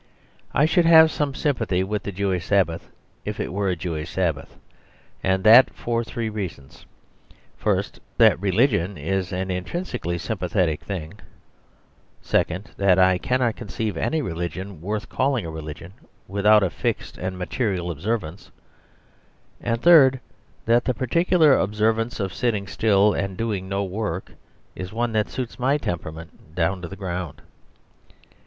I should have some sympathy with the Jewish Sabbath, if it were a Jewish Sabbath, and that for three reasons; first, that religion is an intrinsically sympathetic thing; second, that I cannot conceive any religion worth calling a religion without a fixed and material observance; and third, that the particular observance of sitting still and doing no work is one that suits my temperament down to the ground.